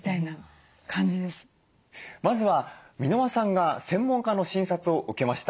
まずは箕輪さんが専門家の診察を受けました。